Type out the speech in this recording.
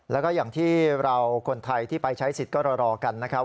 แล้วก็อย่างที่เราคนไทยที่ไปใช้สิทธิ์ก็รอกันนะครับ